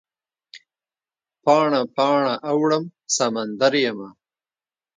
پاڼه، پاڼه اوړم سمندریمه